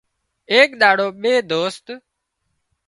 ايڪ ۮاڙو ٻي دوست